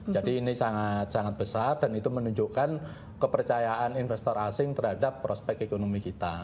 jadi ini sangat sangat besar dan itu menunjukkan kepercayaan investor asing terhadap prospek ekonomi kita